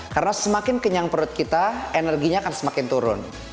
karena semakin kenyang perut kita energinya akan semakin turun